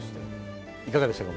いかがでしたか？